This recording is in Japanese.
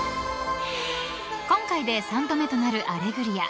［今回で三度目となる『アレグリア』］